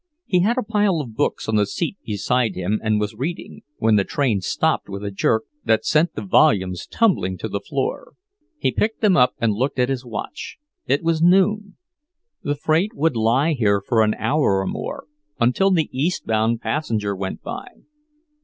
He had a pile of books on the seat beside him and was reading, when the train stopped with a jerk that sent the volumes tumbling to the floor. He picked them up and looked at his watch. It was noon. The freight would lie here for an hour or more, until the east bound passenger went by.